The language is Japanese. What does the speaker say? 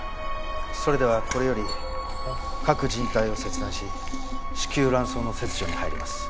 それではこれより各靭帯を切断し子宮卵巣の切除に入ります。